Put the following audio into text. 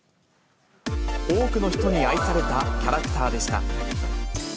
多くの人に愛されたキャラクターでした。